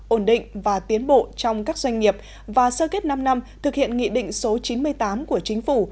ổn định và tiến bộ trong các doanh nghiệp và sơ kết năm năm thực hiện nghị định số chín mươi tám của chính phủ